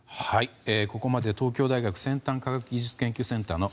ここまで東京大学先端科学技術研究センターの